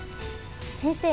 先生。